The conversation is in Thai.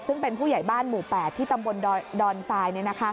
ซึ่งเป็นผู้ใหญ่บ้านหมู่๘ที่ตำบลดอนทราย